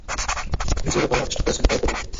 আপনি যে ব্যাপারে আদিষ্ট হয়েছেন তা-ই করুন।